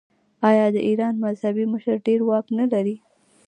آیا د ایران مذهبي مشر ډیر واک نلري؟